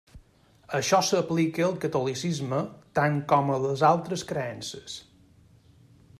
Això s'aplica al catolicisme tant com a les altres creences.